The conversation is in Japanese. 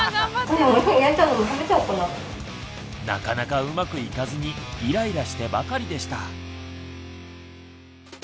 なかなかうまくいかずにイライラしてばかりでした。